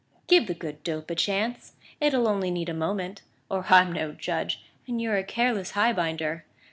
Give the good dope a chance: it'll only need a moment, or I'm no judge and you're a careless highbinder!